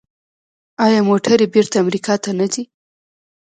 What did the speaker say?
آیا موټرې بیرته امریکا ته نه ځي؟